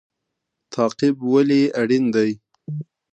تعقیب ولې اړین دی؟